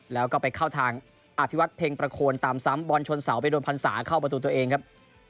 แล้วก็ไปเข้าทางอภิวัตเพ็งประโคนตามซ้ำบอลชนเสาไปโดนพรรษาเข้าประตูตัวเองครับ